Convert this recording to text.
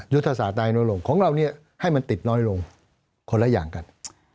ยุทธศาสตรายน้อยลงของเราเนี่ยให้มันติดน้อยลงคนละอย่างกัน